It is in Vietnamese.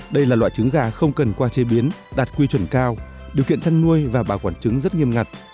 đây là loại trứng gà không cần qua chế biến đạt quy chuẩn cao điều kiện chăn nuôi và bảo quản trứng rất nghiêm ngặt